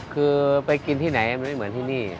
คือไปกินที่ไหนมันไม่เหมือนที่นี่